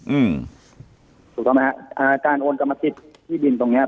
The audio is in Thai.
อืมถูกต้องไหมฮะอ่าการโอนกรรมสิทธิ์ที่ดินตรงเนี้ย